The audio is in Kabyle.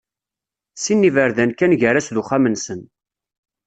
Sin n yiberdan kan gar-as d uxxam-nsen.